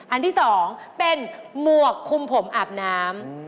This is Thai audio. อันที่๒เป็นหมวกคุมผมอาบน้ำ